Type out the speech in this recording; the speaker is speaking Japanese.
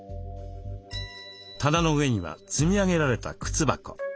棚の上には積み上げられた靴箱。